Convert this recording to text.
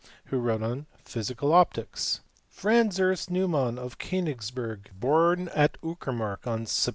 480), who wrote on physical optics. Franz Ernst Neumann, of Konigsberg, born at Ukermark on Sept.